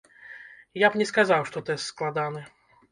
Я б не сказаў, што тэст складаны.